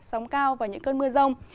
sóng cao và những cơn mưa rông